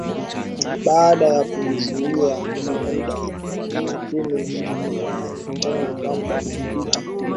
baadaa ya kumzuia kwa muda wa miezi kumi na nane tangu mwaka uliopita